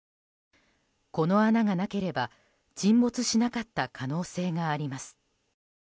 この穴がなければ沈没しなかった可能性があります。